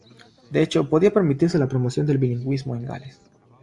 De hecho, podía permitirse la promoción del bilingüismo en Gales.